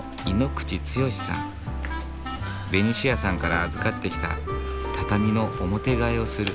ベニシアさんから預かってきた畳の表替えをする。